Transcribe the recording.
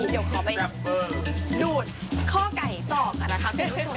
เดี๋ยวขอไปดูดข้อไก่ต่อกันนะคะ